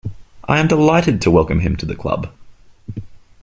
I am delighted to welcome him to the club.